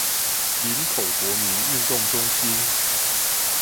林口國民運動中心